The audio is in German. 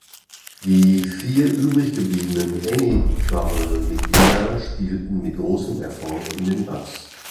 Die vier übrig gebliebenen Any-Trouble-Mitglieder spielten mit großem Erfolg in den Pubs.